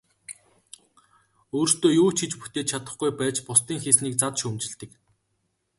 Өөрсдөө юу ч хийж бүтээж чадахгүй байж бусдын хийснийг зад шүүмжилдэг.